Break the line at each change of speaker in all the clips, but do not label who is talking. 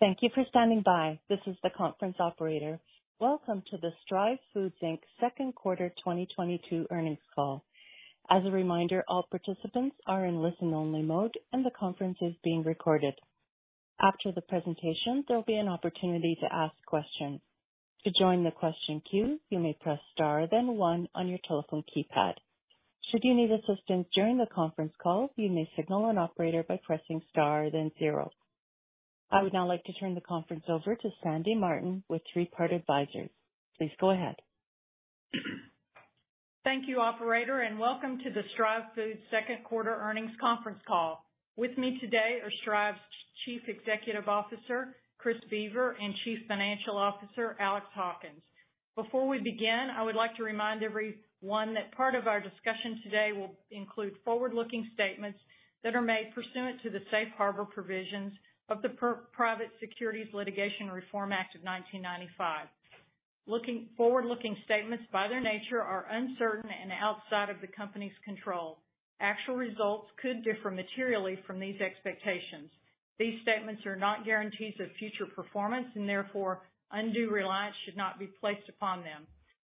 Thank you for standing by. This is the conference operator. Welcome to the Stryve Foods, Inc.'s Second Quarter 2022 earnings call. As a reminder, all participants are in listen-only mode, and the conference is being recorded. After the presentation, there'll be an opportunity to ask questions. To join the question queue, you may press star, then one on your telephone keypad. Should you need assistance during the conference call, you may signal an operator by pressing star, then zero. I would now like to turn the conference over to Sandy Martin with Three Part Advisors. Please go ahead.
Thank you, operator, and welcome to the Stryve Foods second quarter earnings conference call. With me today are Stryve's Chief Executive Officer, Chris Boever, and Chief Financial Officer, Alex Hawkins. Before we begin, I would like to remind everyone that part of our discussion today will include forward-looking statements that are made pursuant to the safe harbor provisions of the Private Securities Litigation Reform Act of 1995. Forward-looking statements, by their nature, are uncertain and outside of the company's control. Actual results could differ materially from these expectations. These statements are not guarantees of future performance and therefore undue reliance should not be placed upon them.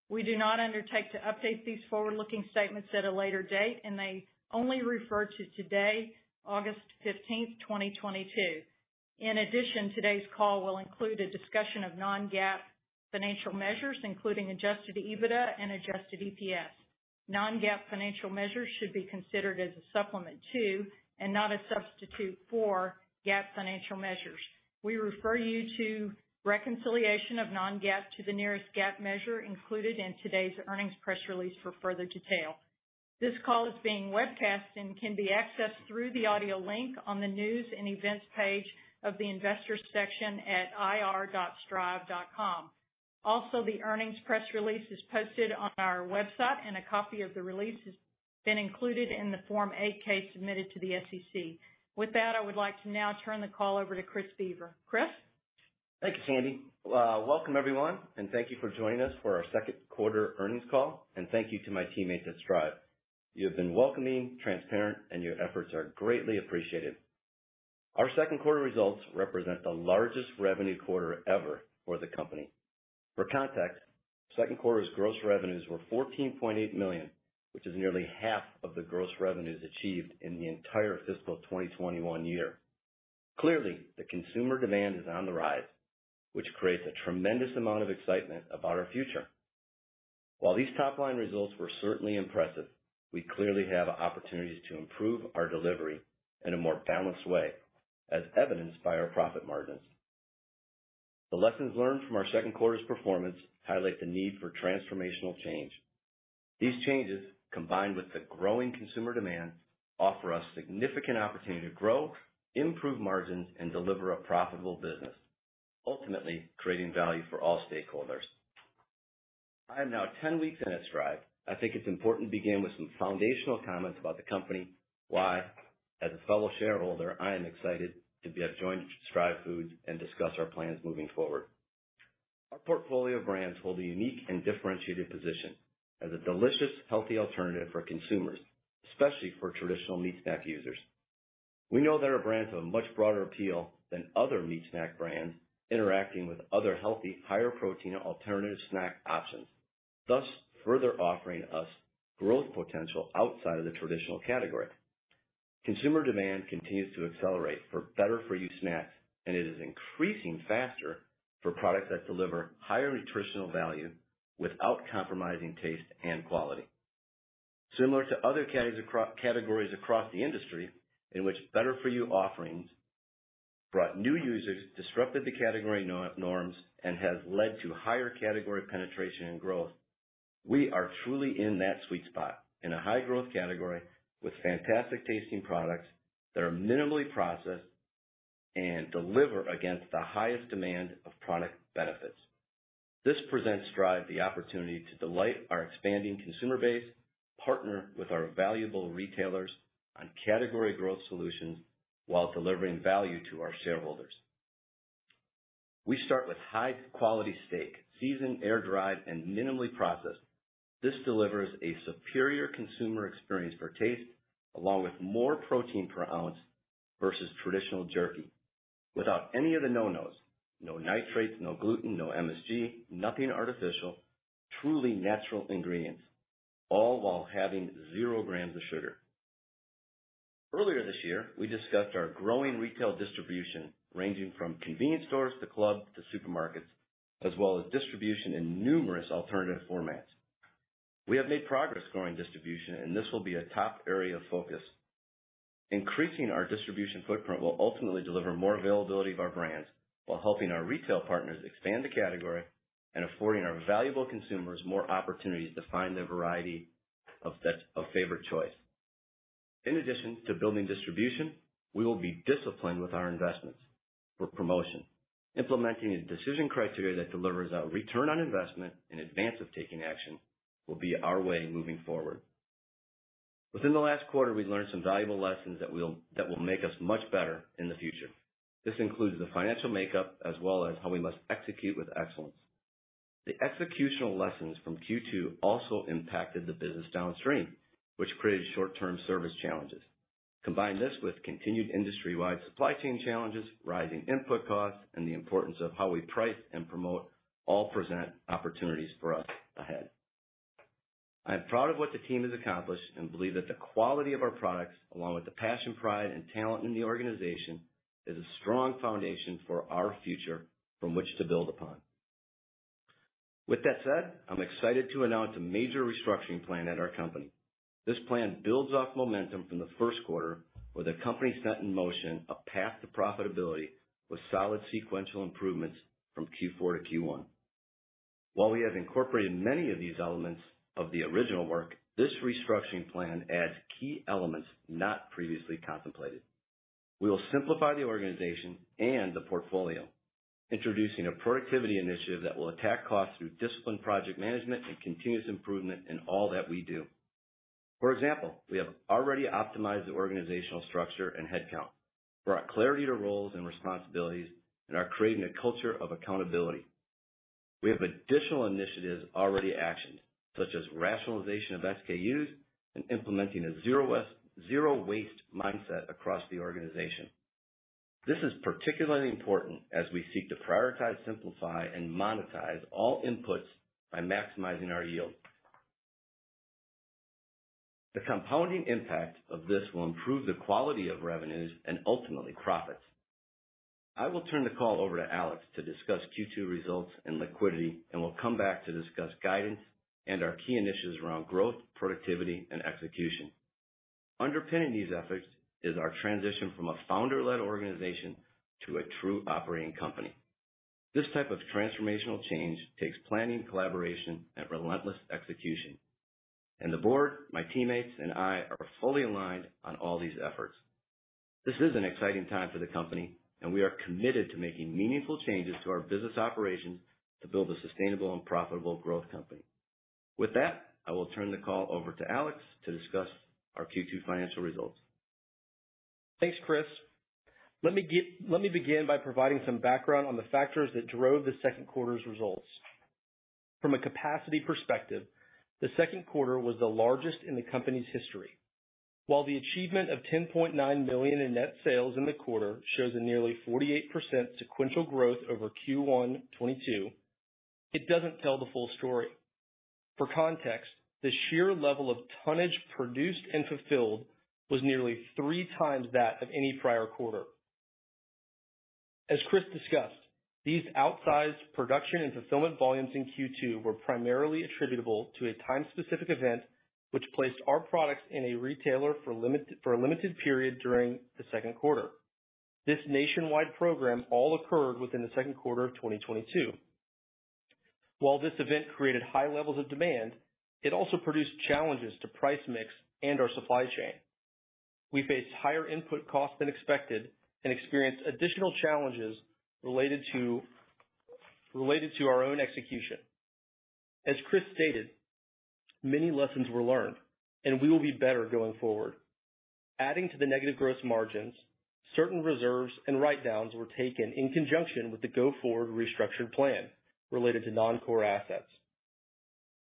We do not undertake to update these forward-looking statements at a later date, and they only refer to today, August 15th, 2022. In addition, today's call will include a discussion of non-GAAP financial measures, including Adjusted EBITDA and adjusted EPS. Non-GAAP financial measures should be considered as a supplement to, and not a substitute for, GAAP financial measures. We refer you to reconciliation of non-GAAP to the nearest GAAP measure included in today's earnings press release for further detail. This call is being webcast and can be accessed through the audio link on the News & Events page of the Investors section at ir.stryve.com. Also, the earnings press release is posted on our website and a copy of the release has been included in the Form 8-K submitted to the SEC. With that, I would like to now turn the call over to Chris Boever. Chris?
Thank you, Sandy. Welcome everyone, and thank you for joining us for our second quarter earnings call. Thank you to my teammates at Stryve. You have been welcoming, transparent, and your efforts are greatly appreciated. Our second quarter results represent the largest revenue quarter ever for the company. For context, second quarter's gross revenues were $14.8 million, which is nearly half of the gross revenues achieved in the entire fiscal 2021 year. Clearly, the consumer demand is on the rise, which creates a tremendous amount of excitement about our future. While these top-line results were certainly impressive, we clearly have opportunities to improve our delivery in a more balanced way, as evidenced by our profit margins. The lessons learned from our second quarter's performance highlight the need for transformational change. These changes, combined with the growing consumer demand, offer us significant opportunity to grow, improve margins, and deliver a profitable business, ultimately creating value for all stakeholders. I am now 10 weeks in at Stryve. I think it's important to begin with some foundational comments about the company, why, as a fellow shareholder, I am excited to be joining Stryve Foods and discuss our plans moving forward. Our portfolio of brands hold a unique and differentiated position as a delicious, healthy alternative for consumers, especially for traditional meat snack users. We know that our brands have a much broader appeal than other meat snack brands interacting with other healthy, higher protein alternative snack options, thus further offering us growth potential outside of the traditional category. Consumer demand continues to accelerate for better-for-you snacks, and it is increasing faster for products that deliver higher nutritional value without compromising taste and quality. Similar to other categories across the industry in which better-for-you offerings brought new users, disrupted the category norms, and has led to higher category penetration and growth, we are truly in that sweet spot in a high growth category with fantastic tasting products that are minimally processed and deliver against the highest demand of product benefits. This presents Stryve the opportunity to delight our expanding consumer base, partner with our valuable retailers on category growth solutions while delivering value to our shareholders. We start with high quality steak, seasoned, air-dried, and minimally processed. This delivers a superior consumer experience for taste, along with more protein per ounce versus traditional jerky. Without any of the no-nos, no nitrates, no gluten, no MSG, nothing artificial, truly natural ingredients, all while having zero grams of sugar. Earlier this year, we discussed our growing retail distribution, ranging from convenience stores to clubs to supermarkets, as well as distribution in numerous alternative formats. We have made progress growing distribution, and this will be a top area of focus. Increasing our distribution footprint will ultimately deliver more availability of our brands while helping our retail partners expand the category and affording our valuable consumers more opportunities to find the variety of favorite choice. In addition to building distribution, we will be disciplined with our investments for promotion. Implementing a decision criteria that delivers a return on investment in advance of taking action will be our way moving forward. Within the last quarter, we learned some valuable lessons that will make us much better in the future. This includes the financial makeup as well as how we must execute with excellence. The executional lessons from Q2 also impacted the business downstream, which created short-term service challenges. Combine this with continued industry-wide supply chain challenges, rising input costs, and the importance of how we price and promote all present opportunities for us ahead. I am proud of what the team has accomplished and believe that the quality of our products, along with the passion, pride, and talent in the organization, is a strong foundation for our future from which to build upon. With that said, I'm excited to announce a major restructuring plan at our company. This plan builds off momentum from the first quarter, where the company set in motion a path to profitability with solid sequential improvements from Q4 to Q1. While we have incorporated many of these elements of the original work, this restructuring plan adds key elements not previously contemplated. We will simplify the organization and the portfolio, introducing a productivity initiative that will attack costs through disciplined project management and continuous improvement in all that we do. For example, we have already optimized the organizational structure and headcount, brought clarity to roles and responsibilities, and are creating a culture of accountability. We have additional initiatives already actioned, such as rationalization of SKUs and implementing a zero waste mindset across the organization. This is particularly important as we seek to prioritize, simplify, and monetize all inputs by maximizing our yield. The compounding impact of this will improve the quality of revenues and ultimately profits. I will turn the call over to Alex to discuss Q2 results and liquidity, and we'll come back to discuss guidance and our key initiatives around growth, productivity, and execution. Underpinning these efforts is our transition from a founder-led organization to a true operating company. This type of transformational change takes planning, collaboration, and relentless execution. The board, my teammates, and I are fully aligned on all these efforts. This is an exciting time for the company, and we are committed to making meaningful changes to our business operations to build a sustainable and profitable growth company. With that, I will turn the call over to Alex to discuss our Q2 financial results.
Thanks, Chris. Let me begin by providing some background on the factors that drove the second quarter's results. From a capacity perspective, the second quarter was the largest in the company's history. While the achievement of $10.9 million in net sales in the quarter shows a nearly 48% sequential growth over Q1 2022, it doesn't tell the full story. For context, the sheer level of tonnage produced and fulfilled was nearly three times that of any prior quarter. As Chris discussed, these outsized production and fulfillment volumes in Q2 were primarily attributable to a time-specific event, which placed our products in a retailer for a limited period during the second quarter. This nationwide program also occurred within the second quarter of 2022. While this event created high levels of demand, it also produced challenges to price mix and our supply chain. We faced higher input costs than expected and experienced additional challenges related to our own execution. As Chris stated, many lessons were learned and we will be better going forward. Adding to the negative gross margins, certain reserves and write-downs were taken in conjunction with the go-forward restructured plan related to non-core assets.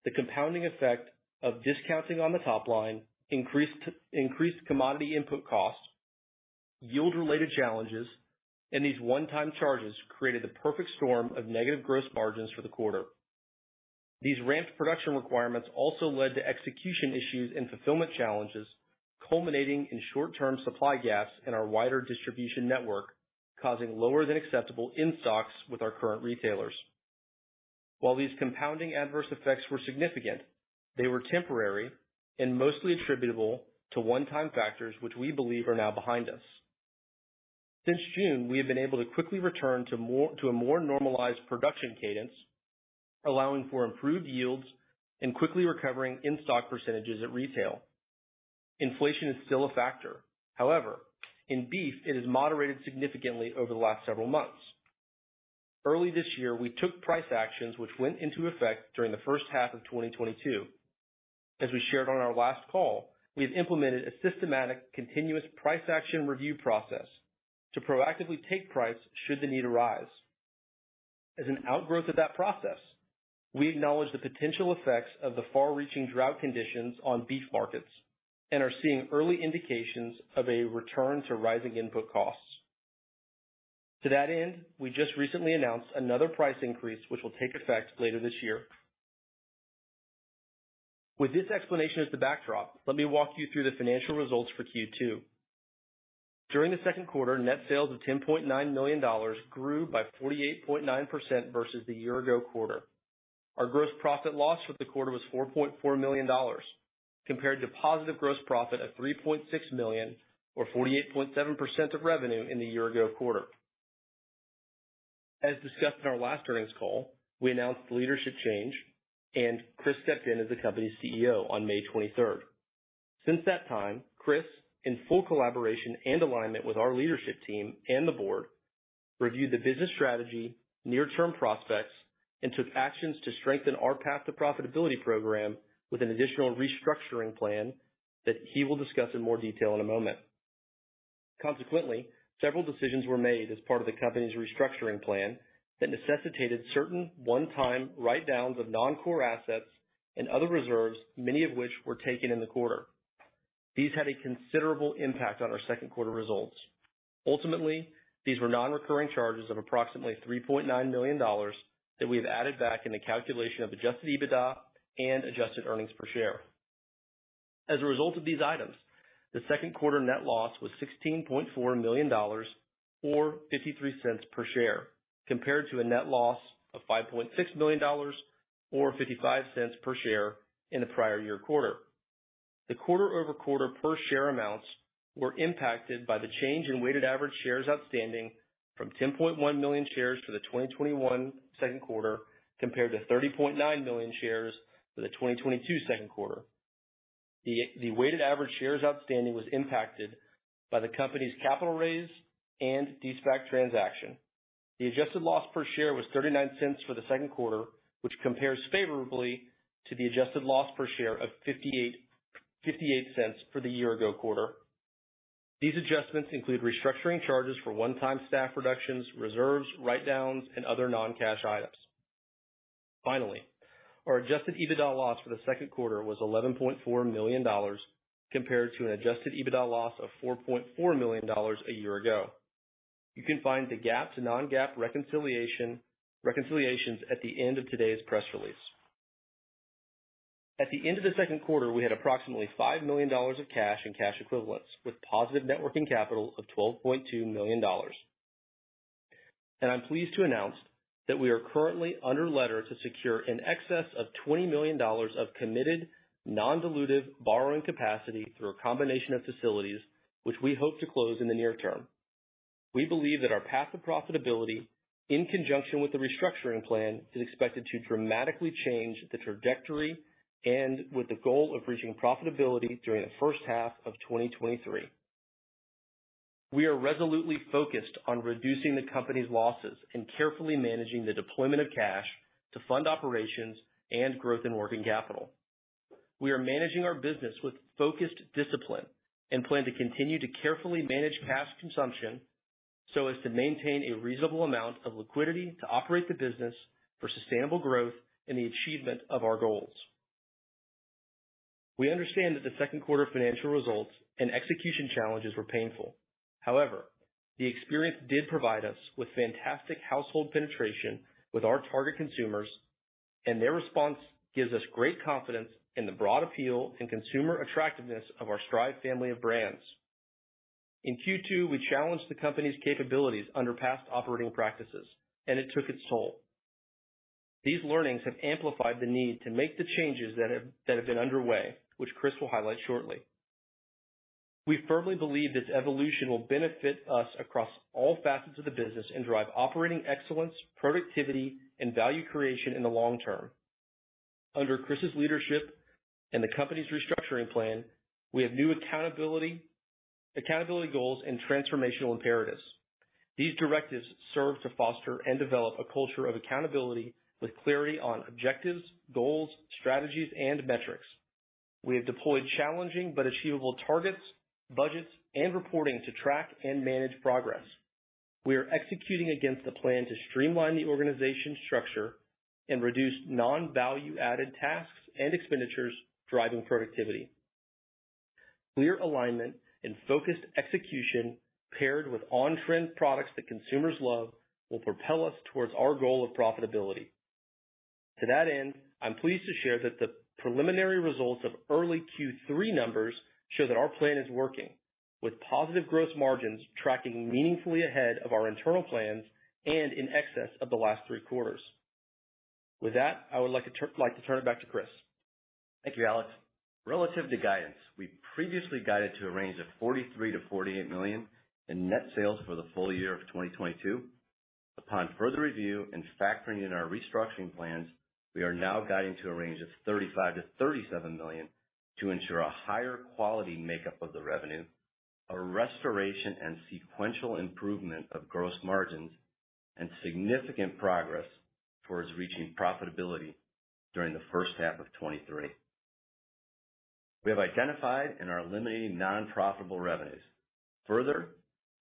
The compounding effect of discounting on the top line, increased commodity input costs, yield-related challenges, and these one-time charges created the perfect storm of negative gross margins for the quarter. These ramped production requirements also led to execution issues and fulfillment challenges, culminating in short-term supply gaps in our wider distribution network, causing lower than acceptable in-stocks with our current retailers. While these compounding adverse effects were significant, they were temporary and mostly attributable to one-time factors which we believe are now behind us. Since June, we have been able to quickly return to a more normalized production cadence, allowing for improved yields and quickly recovering in-stock percentages at retail. Inflation is still a factor. However, in beef, it has moderated significantly over the last several months. Early this year, we took price actions which went into effect during the first half of 2022. As we shared on our last call, we have implemented a systematic continuous price action review process to proactively take price should the need arise. As an outgrowth of that process, we acknowledge the potential effects of the far-reaching drought conditions on beef markets and are seeing early indications of a return to rising input costs. To that end, we just recently announced another price increase, which will take effect later this year. With this explanation as the backdrop, let me walk you through the financial results for Q2. During the second quarter, net sales of $10.9 million grew by 48.9% versus the year ago quarter. Our gross profit (loss) for the quarter was $4.4 million compared to positive gross profit of $3.6 million or 48.7% of revenue in the year ago quarter. As discussed in our last earnings call, we announced leadership change and Chris stepped in as the company's CEO on May twenty-third. Since that time, Chris, in full collaboration and alignment with our leadership team and the board, reviewed the business strategy, near-term prospects, and took actions to strengthen our path to profitability program with an additional restructuring plan that he will discuss in more detail in a moment. Consequently, several decisions were made as part of the company's restructuring plan that necessitated certain one-time write-downs of non-core assets and other reserves, many of which were taken in the quarter. These had a considerable impact on our second quarter results. Ultimately, these were non-recurring charges of approximately $3.9 million that we have added back in the calculation of adjusted EBITDA and adjusted earnings per share. As a result of these items, the second quarter net loss was $16.4 million or $0.53 per share, compared to a net loss of $5.6 million or $0.55 per share in the prior year quarter. The quarter-over-quarter per share amounts were impacted by the change in weighted average shares outstanding from 10.1 million shares for the 2021 second quarter, compared to 30.9 million shares for the 2022 second quarter. The weighted average shares outstanding was impacted by the company's capital raise and de-SPAC transaction. The adjusted loss per share was $0.39 for the second quarter, which compares favorably to the adjusted loss per share of $0.58 for the year ago quarter. These adjustments include restructuring charges for one-time staff reductions, reserves, write-downs, and other non-cash items. Finally, our adjusted EBITDA loss for the second quarter was $11.4 million, compared to an adjusted EBITDA loss of $4.4 million a year ago. You can find the GAAP to non-GAAP reconciliation, reconciliations at the end of today's press release. At the end of the second quarter, we had approximately $5 million of cash and cash equivalents, with positive net working capital of $12.2 million. I'm pleased to announce that we are currently under letter to secure in excess of $20 million of committed non-dilutive borrowing capacity through a combination of facilities which we hope to close in the near term. We believe that our path to profitability, in conjunction with the restructuring plan, is expected to dramatically change the trajectory and with the goal of reaching profitability during the first half of 2023. We are resolutely focused on reducing the company's losses and carefully managing the deployment of cash to fund operations and growth in working capital. We are managing our business with focused discipline and plan to continue to carefully manage cash consumption so as to maintain a reasonable amount of liquidity to operate the business for sustainable growth in the achievement of our goals. We understand that the second quarter financial results and execution challenges were painful. However, the experience did provide us with fantastic household penetration with our target consumers, and their response gives us great confidence in the broad appeal and consumer attractiveness of our Stryve family of brands. In Q2, we challenged the company's capabilities under past operating practices, and it took its toll. These learnings have amplified the need to make the changes that have been underway, which Chris will highlight shortly. We firmly believe this evolution will benefit us across all facets of the business and drive operating excellence, productivity, and value creation in the long term. Under Chris's leadership and the company's restructuring plan, we have new accountability goals, and transformational imperatives. These directives serve to foster and develop a culture of accountability with clarity on objectives, goals, strategies, and metrics. We have deployed challenging but achievable targets, budgets, and reporting to track and manage progress. We are executing against the plan to streamline the organization structure and reduce non-value-added tasks and expenditures, driving productivity. Clear alignment and focused execution, paired with on-trend products that consumers love, will propel us towards our goal of profitability. To that end, I'm pleased to share that the preliminary results of early Q3 numbers show that our plan is working, with positive growth margins tracking meaningfully ahead of our internal plans and in excess of the last three quarters. With that, I would like to turn it back to Chris.
Thank you, Alex. Relative to guidance, we previously guided to a range of $43 million-$48 million in net sales for the full year of 2022. Upon further review and factoring in our restructuring plans, we are now guiding to a range of $35 million-$37 million to ensure a higher quality makeup of the revenue, a restoration and sequential improvement of gross margins, and significant progress towards reaching profitability during the first half of 2023. We have identified and are eliminating non-profitable revenues. Further,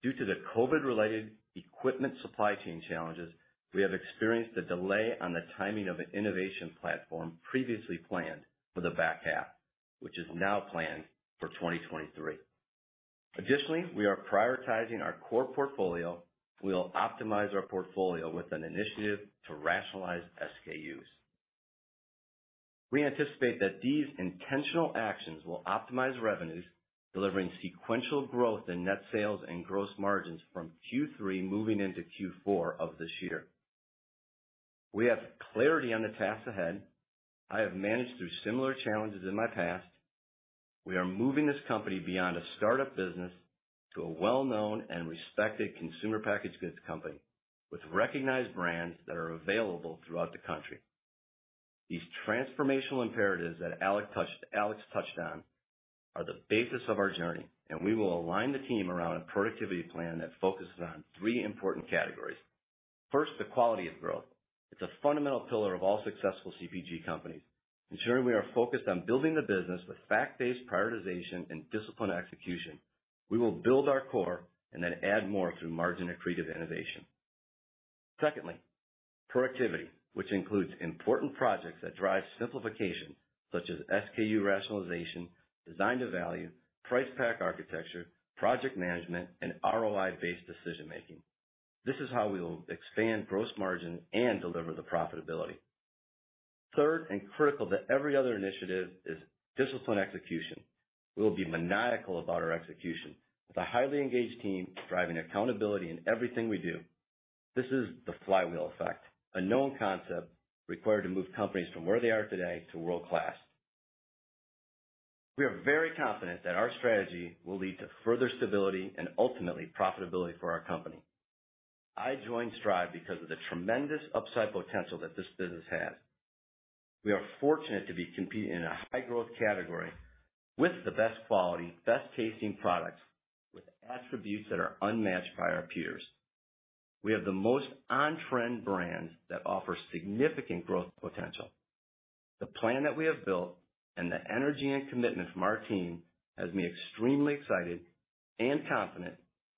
due to the COVID-related equipment supply chain challenges, we have experienced a delay on the timing of an innovation platform previously planned for the back half, which is now planned for 2023. Additionally, we are prioritizing our core portfolio. We will optimize our portfolio with an initiative to rationalize SKUs. We anticipate that these intentional actions will optimize revenues, delivering sequential growth in net sales and gross margins from Q3 moving into Q4 of this year. We have clarity on the tasks ahead. I have managed through similar challenges in my past. We are moving this company beyond a startup business to a well-known and respected consumer packaged goods company with recognized brands that are available throughout the country. These transformational imperatives that Alex touched on are the basis of our journey, and we will align the team around a productivity plan that focuses on three important categories. First, the quality of growth. It's a fundamental pillar of all successful CPG companies, ensuring we are focused on building the business with fact-based prioritization and disciplined execution. We will build our core and then add more through margin-accretive innovation. Secondly, productivity, which includes important projects that drive simplification such as SKU rationalization, design to value, price pack architecture, project management, and ROI-based decision-making. This is how we will expand gross margin and deliver the profitability. Third, and critical to every other initiative, is disciplined execution. We will be maniacal about our execution with a highly engaged team driving accountability in everything we do. This is the flywheel effect, a known concept required to move companies from where they are today to world-class. We are very confident that our strategy will lead to further stability and ultimately profitability for our company. I joined Stryve because of the tremendous upside potential that this business has. We are fortunate to be competing in a high growth category with the best quality, best tasting products with attributes that are unmatched by our peers. We have the most on-trend brands that offer significant growth potential. The plan that we have built and the energy and commitment from our team has me extremely excited and confident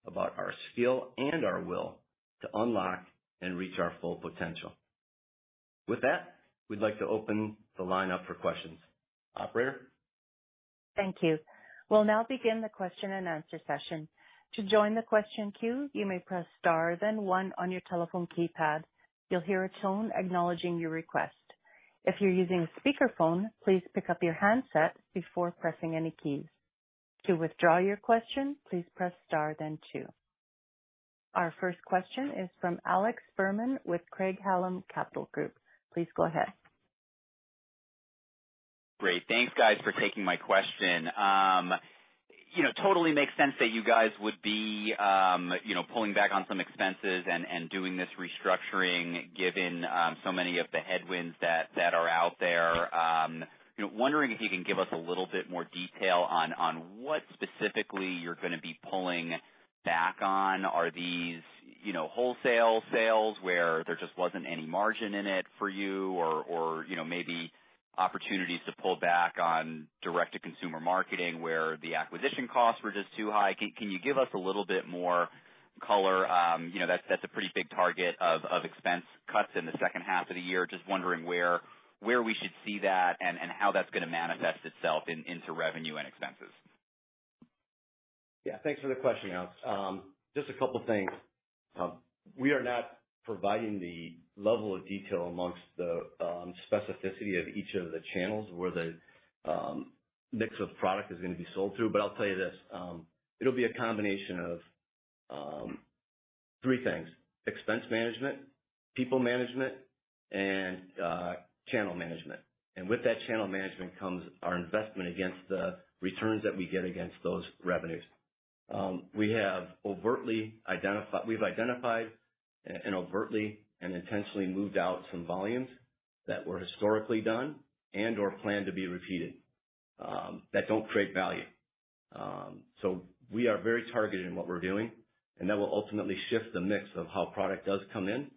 about our skill and our will to unlock and reach our full potential. With that, we'd like to open the line up for questions. Operator?
Thank you. We'll now begin the question and answer session. To join the question queue, you may press star then one on your telephone keypad. You'll hear a tone acknowledging your request. If you're using a speakerphone, please pick up your handset before pressing any keys. To withdraw your question, please press star then two. Our first question is from Alex Fuhrman with Craig-Hallum Capital Group. Please go ahead.
Great. Thanks, guys, for taking my question. You know, totally makes sense that you guys would be, you know, pulling back on some expenses and doing this restructuring, given so many of the headwinds that are out there. You know, wondering if you can give us a little bit more detail on what specifically you're gonna be pulling back on. Are these, you know, wholesale sales where there just wasn't any margin in it for you or, you know, maybe opportunities to pull back on direct-to-consumer marketing where the acquisition costs were just too high? Can you give us a little bit more color? You know, that's a pretty big target of expense cuts in the second half of the year. Just wondering where we should see that and how that's gonna manifest itself into revenue and expenses.
Yeah. Thanks for the question, Alex. Just a couple things. We are not providing the level of detail among the specificity of each of the channels where the mix of product is gonna be sold through. I'll tell you this, it'll be a combination of three things, expense management, people management, and channel management. With that channel management comes our investment against the returns that we get against those revenues. We've identified and overtly and intentionally moved out some volumes that were historically done and/or planned to be repeated, that don't create value. We are very targeted in what we're doing, and that will ultimately shift the mix of how product does come in,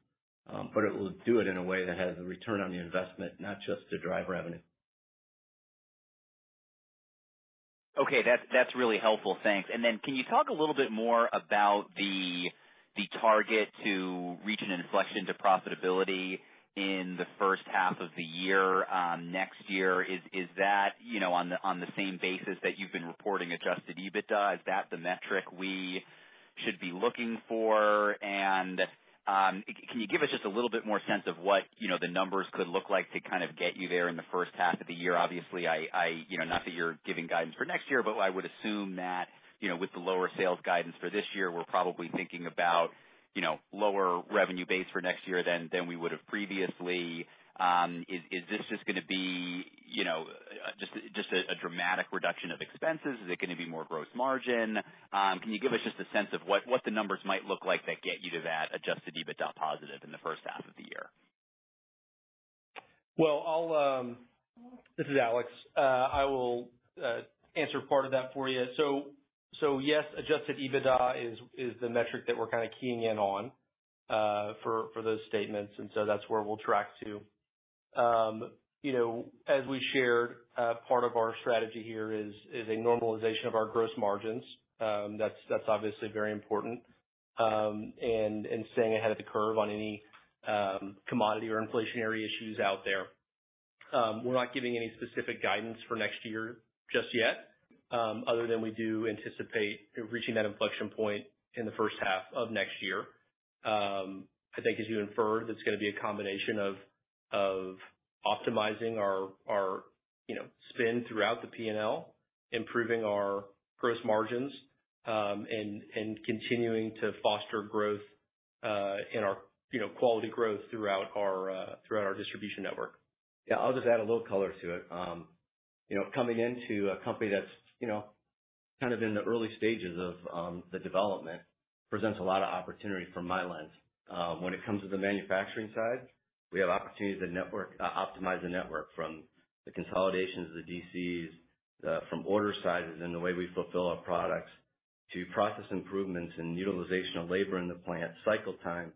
but it will do it in a way that has a return on the investment, not just to drive revenue.
Okay. That's really helpful. Thanks. Then can you talk a little bit more about the target to reach an inflection to profitability in the first half of the year, next year? Is that, you know, on the same basis that you've been reporting Adjusted EBITDA? Is that the metric we should be looking for? Can you give us just a little bit more sense of what, you know, the numbers could look like to kind of get you there in the first half of the year? Obviously, I, you know, not that you're giving guidance for next year, but I would assume that, you know, with the lower sales guidance for this year, we're probably thinking about, you know, lower revenue base for next year than we would've previously. Is this just gonna be, you know, just a dramatic reduction of expenses? Is it gonna be more gross margin? Can you give us just a sense of what the numbers might look like that get you to that Adjusted EBITDA positive in the first half of the year?
This is Alex. I will answer part of that for you. Yes, Adjusted EBITDA is the metric that we're kinda keying in on for those statements, and so that's where we'll track to. You know, as we shared, part of our strategy here is a normalization of our gross margins. That's obviously very important. Staying ahead of the curve on any commodity or inflationary issues out there. We're not giving any specific guidance for next year just yet, other than we do anticipate reaching that inflection point in the first half of next year. I think as you inferred, it's gonna be a combination of optimizing our you know, spend throughout the P&L, improving our gross margins, and continuing to foster growth in our you know, quality growth throughout our distribution network.
Yeah. I'll just add a little color to it. You know, coming into a company that's, you know, kind of in the early stages of the development presents a lot of opportunity from my lens. When it comes to the manufacturing side, we have opportunities to network, optimize the network from the consolidations of the DCs, from order sizes and the way we fulfill our products, to process improvements and utilization of labor in the plant cycle time,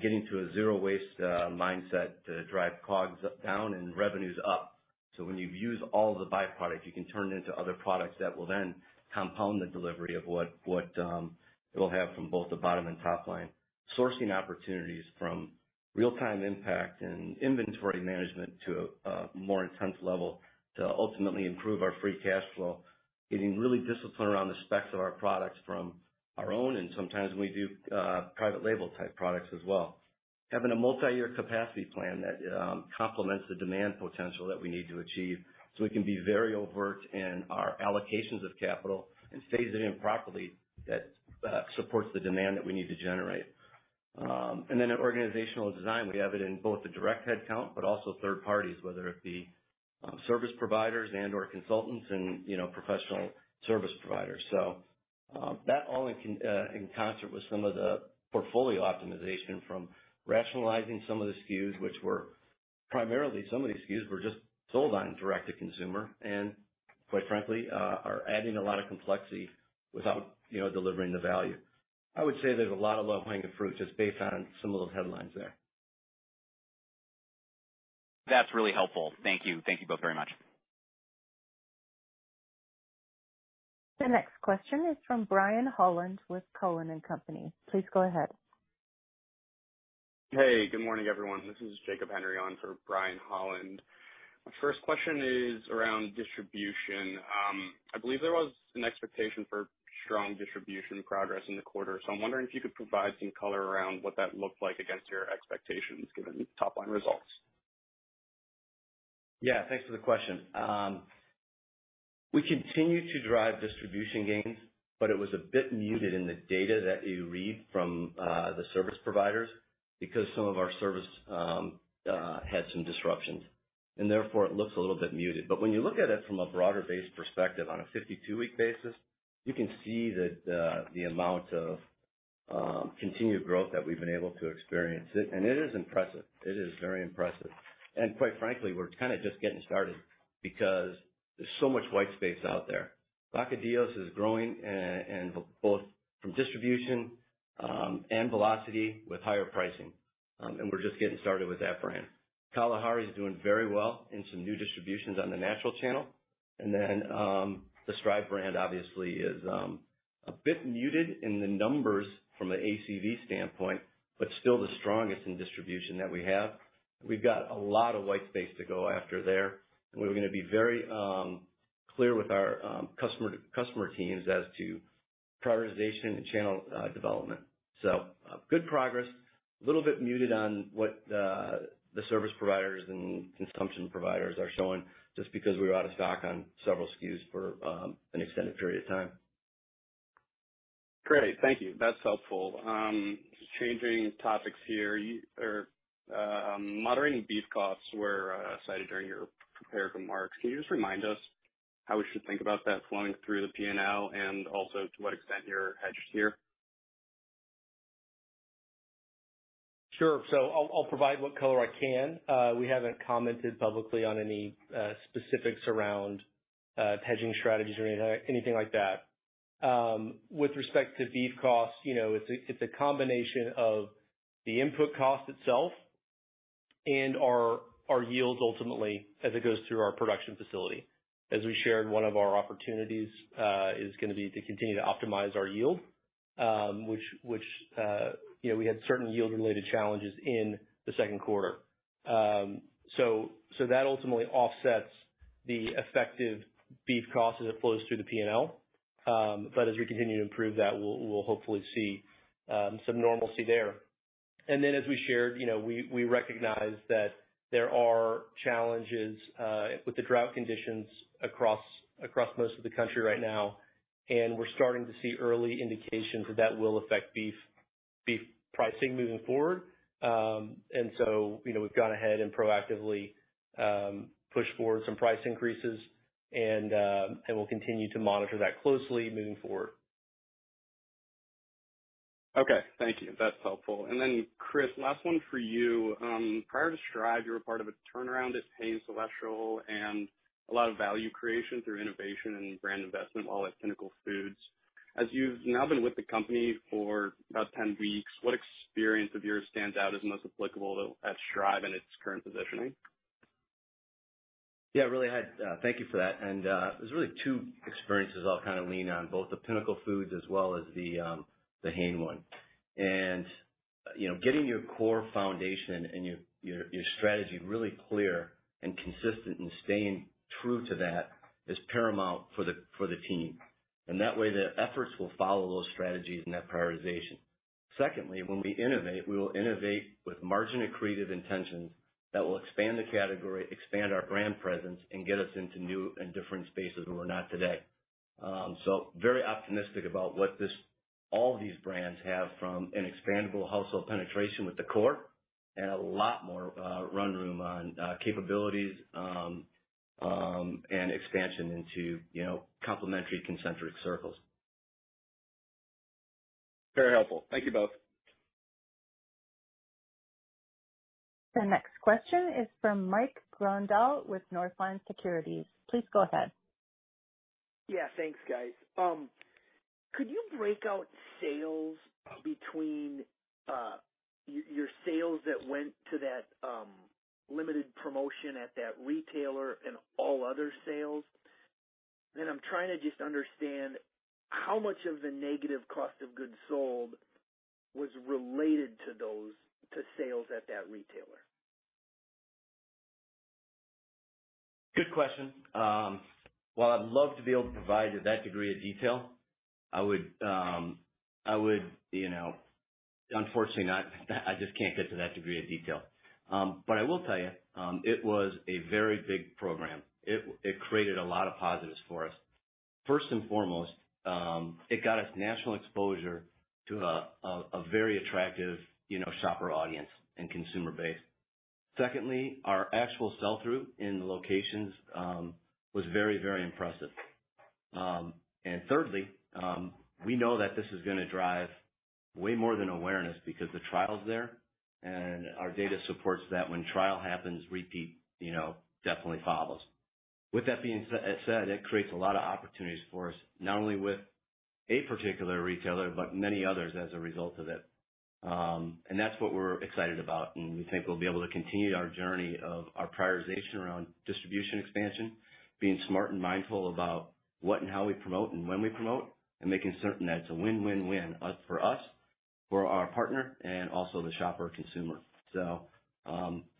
getting to a zero waste mindset to drive COGS down and revenues up. When you've used all the byproducts, you can turn it into other products that will then compound the delivery of what we'll have from both the bottom and top line. Sourcing opportunities from real-time impact and inventory management to a more intense level to ultimately improve our free cash flow. Getting really disciplined around the specs of our products from our own, and sometimes we do private label type products as well. Having a multi-year capacity plan that complements the demand potential that we need to achieve, so we can be very overt in our allocations of capital and phase it in properly that supports the demand that we need to generate. An organizational design. We have it in both the direct headcount but also third parties, whether it be service providers and/or consultants and, you know, professional service providers. That all in concert with some of the portfolio optimization from rationalizing some of the SKUs, which were primarily some of the SKUs were just sold on direct to consumer and quite frankly, are adding a lot of complexity without, you know, delivering the value. I would say there's a lot of low-hanging fruit just based on some of those headlines there.
That's really helpful. Thank you. Thank you both very much.
The next question is from Brian Holland with Cowen and Company. Please go ahead.
Hey, good morning, everyone. This is Jacob Henry on for Brian Holland. My first question is around distribution. I believe there was an expectation for strong distribution progress in the quarter. I'm wondering if you could provide some color around what that looked like against your expectations, given top line results.
Yeah, thanks for the question. We continue to drive distribution gains, but it was a bit muted in the data that you read from the service providers because some of our services had some disruptions, and therefore it looks a little bit muted. When you look at it from a broader base perspective on a 52-week basis, you can see that the amount of continued growth that we've been able to experience it. It is impressive. It is very impressive. Quite frankly, we're kinda just getting started because there's so much white space out there. Vacadillos is growing, and both from distribution and velocity with higher pricing. We're just getting started with that brand. Kalahari is doing very well in some new distributions on the natural channel. The Stryve brand obviously is a bit muted in the numbers from an ACV standpoint, but still the strongest in distribution that we have. We've got a lot of white space to go after there, and we're gonna be very clear with our customer teams as to prioritization and channel development. Good progress. A little bit muted on what the service providers and consumption providers are showing just because we were out of stock on several SKUs for an extended period of time.
Great. Thank you. That's helpful. Changing topics here. Your moderating beef costs were cited during your prepared remarks. Can you just remind us how we should think about that flowing through the P&L and also to what extent you're hedged here?
Sure. So I'll provide what color I can. We haven't commented publicly on any specifics around hedging strategies or anything like that. With respect to beef costs, you know, it's a combination of the input cost itself and our yields ultimately as it goes through our production facility. As we shared, one of our opportunities is gonna be to continue to optimize our yield, which you know we had certain yield related challenges in the second quarter. So that ultimately offsets the effective beef cost as it flows through the P&L. But as we continue to improve that, we'll hopefully see some normalcy there. As we shared, you know, we recognize that there are challenges with the drought conditions across most of the country right now.
We're starting to see early indications that that will affect beef pricing moving forward. You know, we've gone ahead and proactively pushed forward some price increases and we'll continue to monitor that closely moving forward.
Okay. Thank you. That's helpful. Chris, last one for you. Prior to Stryve, you were part of a turnaround at Hain Celestial and a lot of value creation through innovation and brand investment while at Pinnacle Foods. As you've now been with the company for about 10 weeks, what experience of yours stands out as most applicable to Stryve in its current positioning?
Yeah, thank you for that. There's really two experiences I'll kinda lean on, both the Pinnacle Foods as well as the Hain one. Getting your core foundation and your strategy really clear and consistent and staying true to that is paramount for the team. That way, the efforts will follow those strategies and that prioritization. Secondly, when we innovate, we will innovate with margin accretive intentions that will expand the category, expand our brand presence, and get us into new and different spaces where we're not today. Very optimistic about what all these brands have from an expandable household penetration with the core and a lot more room to run on capabilities and expansion into, you know, complementary concentric circles.
Very helpful. Thank you both.
The next question is from Mike Grondahl with Northland Securities. Please go ahead.
Yeah, thanks, guys. Could you break out sales between your sales that went to that limited promotion at that retailer and all other sales? I'm trying to just understand how much of the negative cost of goods sold was related to those sales at that retailer.
Good question. While I'd love to be able to provide you that degree of detail, I would, you know, unfortunately, not. I just can't get to that degree of detail. But I will tell you, it was a very big program. It created a lot of positives for us. First and foremost, it got us national exposure to a very attractive, you know, shopper audience and consumer base. Secondly, our actual sell-through in the locations was very, very impressive. And thirdly, we know that this is gonna drive way more than awareness because the trial's there, and our data supports that when trial happens, repeat, you know, definitely follows. With that being said, it creates a lot of opportunities for us, not only with a particular retailer, but many others as a result of it. That's what we're excited about, and we think we'll be able to continue our journey of our prioritization around distribution expansion, being smart and mindful about what and how we promote and when we promote, and making certain that it's a win-win-win, for us, for our partner and also the shopper consumer.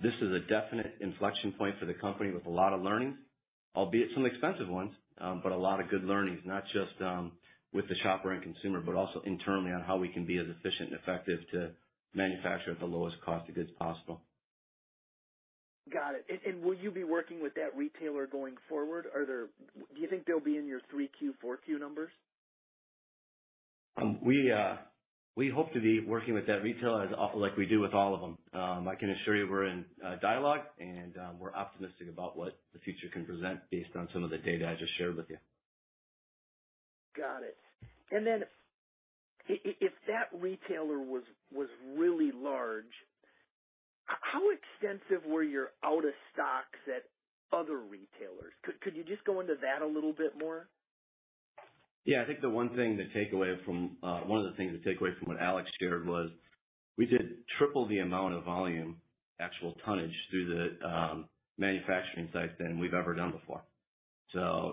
This is a definite inflection point for the company with a lot of learnings, albeit some expensive ones, but a lot of good learnings. Not just with the shopper and consumer, but also internally on how we can be as efficient and effective to manufacture at the lowest cost of goods possible.
Got it. Will you be working with that retailer going forward? Do you think they'll be in your three Q, four Q numbers?
We hope to be working with that retailer as often like we do with all of them. I can assure you we're in dialogue and we're optimistic about what the future can present based on some of the data I just shared with you.
Got it. If that retailer was really large, how extensive were your out of stocks at other retailers? Could you just go into that a little bit more?
Yeah. I think one of the things to take away from what Alex shared was we did triple the amount of volume, actual tonnage, through the manufacturing sites than we've ever done before.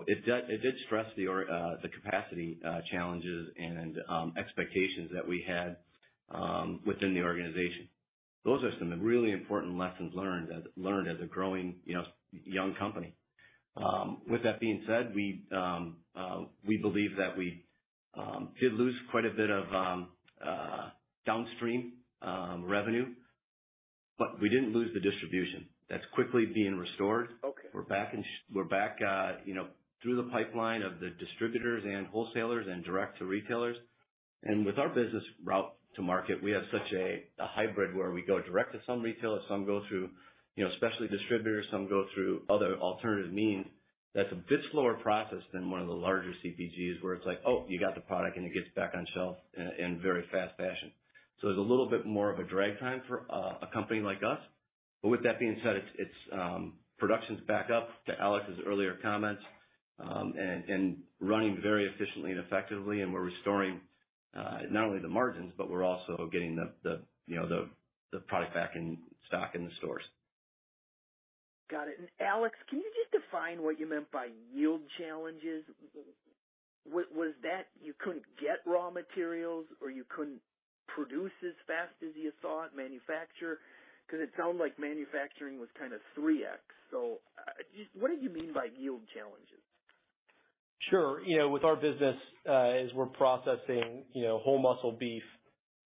It did stress the capacity challenges and expectations that we had within the organization. Those are some of the really important lessons learned as a growing, you know, young company. With that being said, we believe that we did lose quite a bit of downstream revenue, but we didn't lose the distribution. That's quickly being restored.
Okay.
We're back, you know, through the pipeline of the distributors and wholesalers and direct to retailers. With our business route to market, we have such a hybrid where we go direct to some retailers, some go through, you know, specialty distributors, some go through other alternative means. That's a bit slower process than one of the larger CPGs, where it's like, "Oh, you got the product," and it gets back on shelf in very fast fashion. There's a little bit more of a drag time for a company like us. With that being said, it's Production's back up to Alex's earlier comments, and running very efficiently and effectively, and we're restoring not only the margins, but we're also getting the product back in stock in the stores.
Got it. Alex, can you just define what you meant by yield challenges? Was that you couldn't get raw materials or you couldn't produce as fast as you thought, manufacture? 'Cause it sounded like manufacturing was kinda 3x. Just what did you mean by yield challenges?
Sure. You know, with our business, as we're processing, you know, whole muscle beef,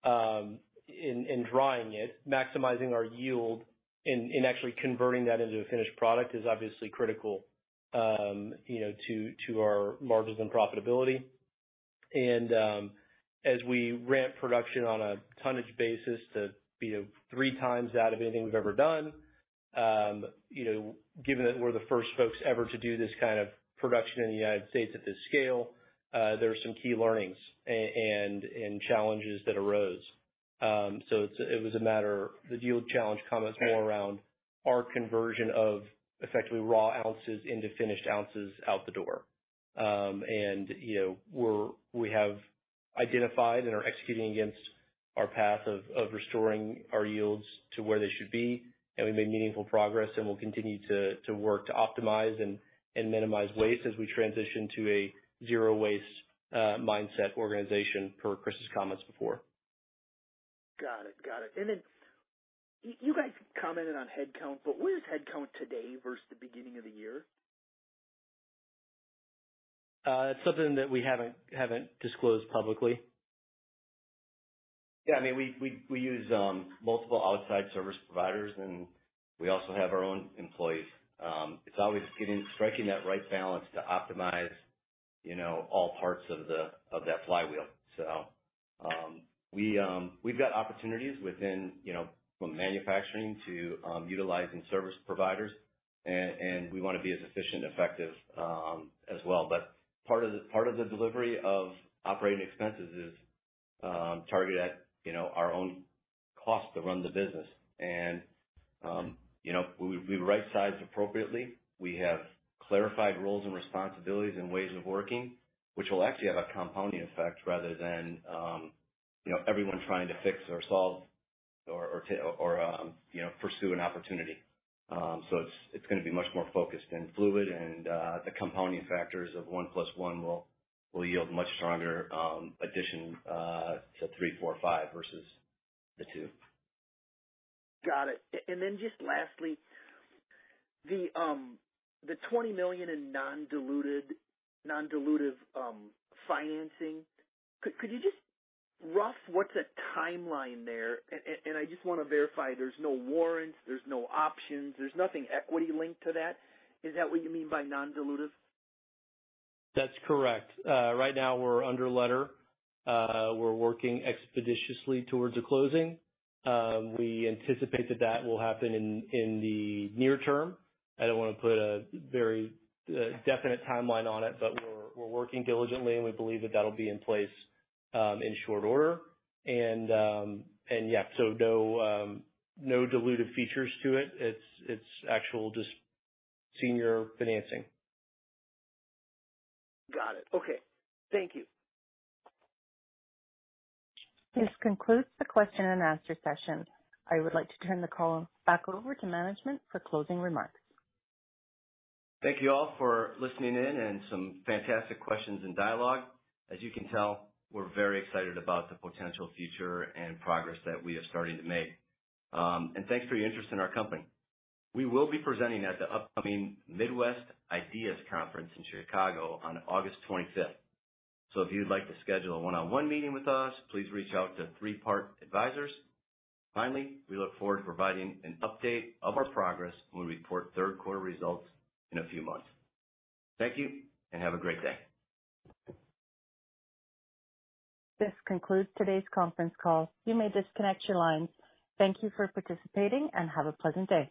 and drying it, maximizing our yield and actually converting that into a finished product is obviously critical, you know, to our margins and profitability. As we ramp production on a tonnage basis to, you know, three times that of anything we've ever done, you know, given that we're the first folks ever to do this kind of production in the United States at this scale, there are some key learnings and challenges that arose. It was a matter. The yield challenge comment.
Okay.
This is more around our conversion of effectively raw ounces into finished ounces out the door. We have identified and are executing against our path of restoring our yields to where they should be. We've made meaningful progress, and we'll continue to work to optimize and minimize waste as we transition to a zero waste mindset organization, per Chris's comments before.
Got it. You guys commented on headcount, but what is headcount today versus the beginning of the year?
It's something that we haven't disclosed publicly.
Yeah. I mean, we use multiple outside service providers, and we also have our own employees. It's always striking that right balance to optimize, you know, all parts of that flywheel. We've got opportunities within, you know, from manufacturing to utilizing service providers. And we wanna be as efficient and effective as well. Part of the delivery of operating expenses is targeted at, you know, our own cost to run the business. We rightsized appropriately. We have clarified roles and responsibilities and ways of working, which will actually have a compounding effect rather than everyone trying to fix or solve or pursue an opportunity. It's gonna be much more focused and fluid, and the compounding factors of one plus one will yield much stronger addition to three, four, five versus the two.
Got it. Just lastly, the $20 million in non-dilutive financing. Could you just give a rough timeline there? I just wanna verify there's no warrants, there's no options, there's nothing equity-linked to that. Is that what you mean by non-dilutive?
That's correct. Right now we're under letter. We're working expeditiously towards a closing. We anticipate that will happen in the near term. I don't wanna put a very definite timeline on it, but we're working diligently, and we believe that'll be in place in short order. Yeah, no dilutive features to it. It's actually just senior financing.
Got it. Okay. Thank you.
This concludes the question and answer session. I would like to turn the call back over to management for closing remarks.
Thank you all for listening in and some fantastic questions and dialogue. As you can tell, we're very excited about the potential future and progress that we are starting to make. Thanks for your interest in our company. We will be presenting at the upcoming Midwest IDEAS Investor Conference in Chicago on August 25. If you'd like to schedule a one-on-one meeting with us, please reach out to Three Part Advisors. Finally, we look forward to providing an update of our progress when we report third quarter results in a few months. Thank you, and have a great day.
This concludes today's conference call. You may disconnect your lines. Thank you for participating and have a pleasant day.